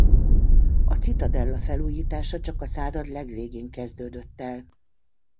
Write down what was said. A Citadella felújítása csak a század legvégén kezdődött el.